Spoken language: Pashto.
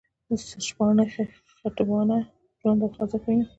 شپانه، خټبانه، ژوند او خوځښت وینم.